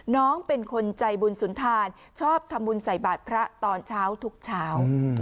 น้องเป็นคนใจบุญสุนทานชอบทำบุญใส่บาทพระตอนเช้าทุกเช้า